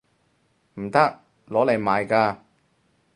唔得！攞嚟賣㗎